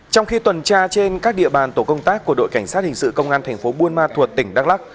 trong khi tuần tra trên các địa bàn tổ công tác của đội cảnh sát hình sự công an thành phố buôn ma thuột tỉnh đắk lắc